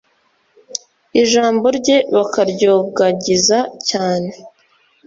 ijambo rye bakaryogagiza cyane